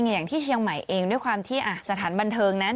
อย่างที่เชียงใหม่เองด้วยความที่สถานบันเทิงนั้น